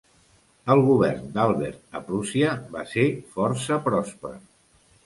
El govern d'Albert a Prússia va ser força pròsper.